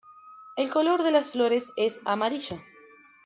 El color de las flores es amarillo.